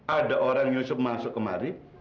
ada orang yusuf masuk kemari